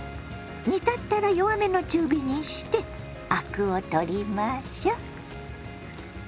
煮立ったら弱めの中火にしてアクを取りましょ。